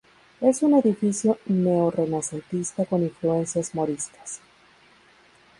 Es un edificio neorenacentista con influencias moriscas.